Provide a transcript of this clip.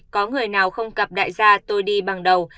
có người nào không gặp đại gia tôi đi bằng đầu